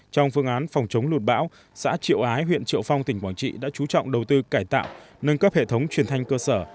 trong phương án phòng chống lụt bão xã triệu ái huyện triệu phong tỉnh quảng trị đã chú trọng đầu tư cải tạo nâng cấp hệ thống truyền thanh cơ sở